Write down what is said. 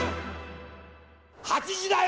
『８時だョ！』。